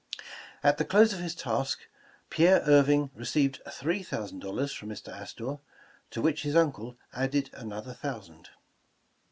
At the close of his task, Pierre Irving received three thousand dollars from Mr. Astor, to which his uncle added another thousand.